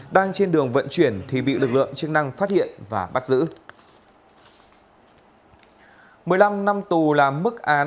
đang trên đường vận chuyển thì bị lực lượng chức năng phát hiện và bắt giữ